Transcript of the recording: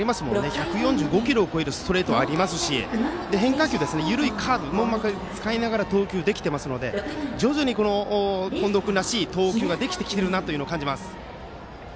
１４５キロを超えるストレートがありますしそして変化球、緩いカーブもうまく使いながら投球できているので徐々に近藤君らしい投球ができてきているなと感じます。